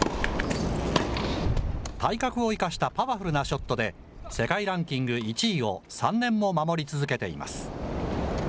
体格を生かしたパワフルなショットで、世界ランキング１位を３年も守り続けています。